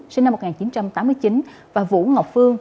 sinh năm một nghìn chín trăm tám mươi chín và vũ ngọc phương